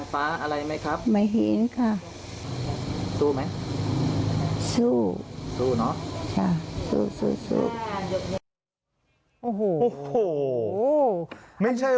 ไปเจออะไร